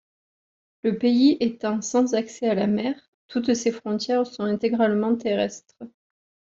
Le pays étant sans accès à la mer, toutes ses frontières sont intégralement terrestres.